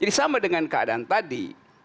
jadi sama dengan keadaan tadi